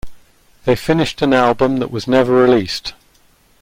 They finished an album that was never released.